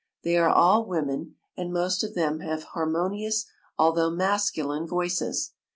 They are all women, and most of them have harmonious al though masculine voices.